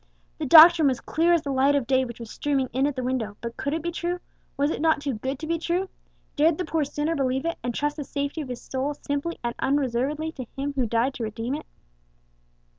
The doctrine was clear as the light of day which was streaming in at the window; but could it be true? was it not too good to be true? Dared the poor sinner believe it, and trust the safety of his soul simply and unreservedly to Him who died to redeem it?